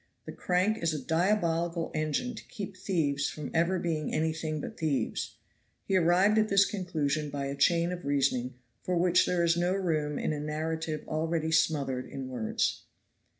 The crank is a diabolical engine to keep thieves from ever being anything but thieves. He arrived at this conclusion by a chain of reasoning for which there is no room in a narrative already smothered in words.